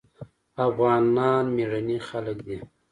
افغانان مېړني خلک دي.